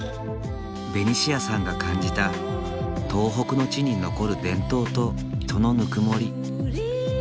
ベニシアさんが感じた東北の地に残る伝統とそのぬくもり。